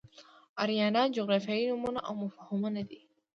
آریانا جغرافیایي نومونه او مفهومونه دي.